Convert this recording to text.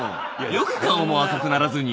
よく顔も赤くならずに。